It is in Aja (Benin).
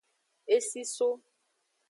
Esi so.